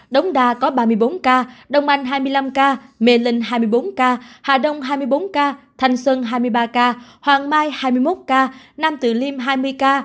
đống đa có ba mươi bốn ca đông anh hai mươi năm ca mê linh hai mươi bốn ca hà đông hai mươi bốn ca thanh xuân hai mươi ba ca hoàng mai hai mươi một ca nam tử liêm hai mươi ca